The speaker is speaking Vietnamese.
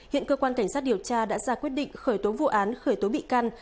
hiện cơ quan cảnh sát điều tra đã ra quyết định khởi tố vụ án khởi tố bị can